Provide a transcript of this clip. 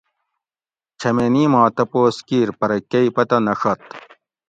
چھمینی ما تپوس کیر پرہ کئ پتہ نہ ڛت